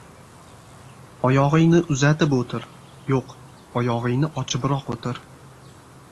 — Oyog‘ingni uzatib o‘tir. Yo‘q, oyog‘ingni ochibroq o‘tir.